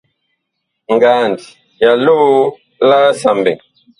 Ngand ya loo laasa mɓɛɛŋ.